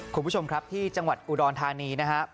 คุณผู้ชมครับที่จังหวัดอุดรธานีนะครับ